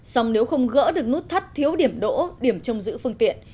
song nếu không gỡ được nút thắt thiếu điểm đỗ điểm trông giữ phương tiện